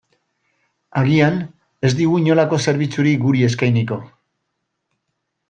Agian, ez digu inolako zerbitzurik guri eskainiko.